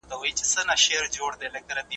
تضاد په ټولنه کې یو اصلي بحث دی.